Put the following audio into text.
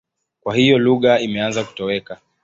Kwa hiyo lugha imeanza kutoweka.